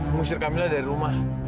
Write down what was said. mengusir kamilah dari rumah